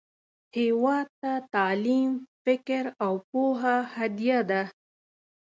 هیواد ته تعلیم، فکر، او پوهه هدیه ده